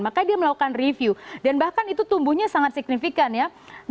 makanya dia melakukan review dan bahkan itu tumbuhnya sangat signifikan ya